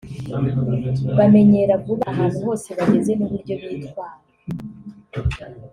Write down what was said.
Bamenyera vuba ahantu hose bageze n’uburyo bitwara